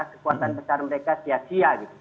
mereka merasa bahwa mereka tidak punya manfaat apa apa